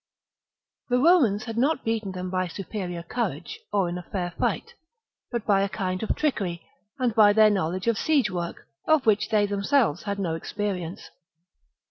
The disaster. Romans had not beaten them by superior courage or in fair fight, but by a kind of trickery and by their knowledge of siege work, of which they themselves had no experience.